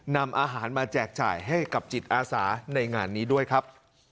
นำอาหารมาแจกจ่ายให้กับจิตอาสาในงานนี้ด้วยครับ